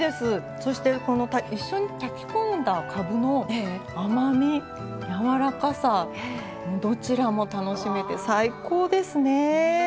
そして一緒に炊き込んだかぶの甘みやわらかさどちらも楽しめて最高ですね。